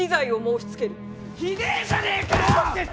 ひでえじゃねえかよ！